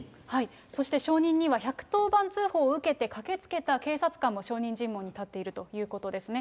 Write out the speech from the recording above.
そして、証人には１１０番通報を受けて、駆けつけた警察官も証人尋問に入っているということですね。